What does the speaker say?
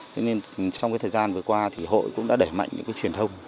thế nên trong cái thời gian vừa qua thì hội cũng đã đẩy mạnh những cái truyền thông